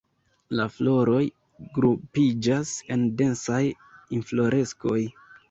La floroj grupiĝas en densaj infloreskoj.